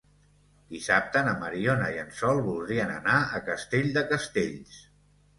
Dissabte na Mariona i en Sol voldrien anar a Castell de Castells.